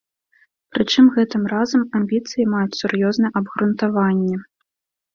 Прычым гэтым разам амбіцыі маюць сур'ёзнае абгрунтаванне.